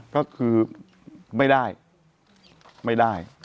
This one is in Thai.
ก็คือไม่ได้ไม่ได้